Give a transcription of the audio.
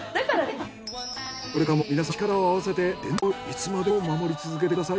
これからも皆さん力を合わせて伝統ある酒蔵の味をいつまでも守り続けてください。